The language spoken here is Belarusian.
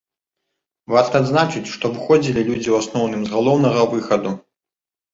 Варта адзначыць, што выходзілі людзі ў асноўным з галоўнага выхаду.